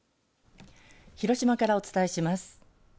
広島からお伝えします。